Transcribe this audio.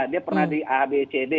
dia pernah di a b c d